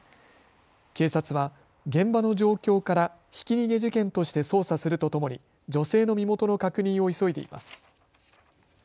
警察は現場の状況からひき逃げ事件として捜査するとともに女性の身元の確認を急いでいます。